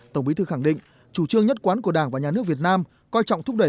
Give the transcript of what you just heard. tổng bí thư khẳng định chủ trương nhất quán của đảng và nhà nước việt nam coi trọng thúc đẩy